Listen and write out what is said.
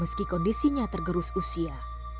meski kondisinya tergerus usia